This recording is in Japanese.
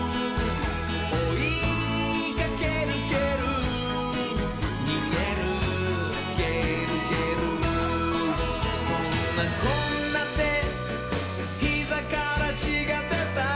「おいかけるけるにげるげるげる」「そんなこんなでひざからちがでた」